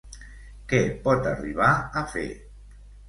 Què pot arribar a fer?